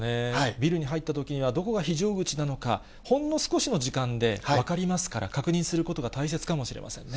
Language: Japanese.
ビルに入ったときには、どこが非常口なのか、ほんの少しの時間で分かりますから、確認することが大切かもしれませんね。